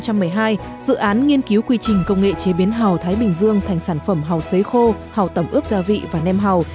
năm hai nghìn một mươi hai dự án nghiên cứu quy trình công nghệ chế biến hào thái bình dương thành sản phẩm hào sấy khô hào tẩm ướp gia vị và nem hầu